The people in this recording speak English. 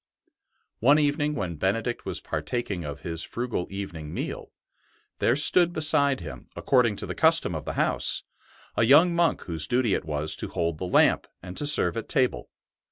One evening when Benedict was partaking of his frugal evening meal, there stood beside him, according to the custom of the house, a young monk whose duty it was to hold the lamp and to serve at table.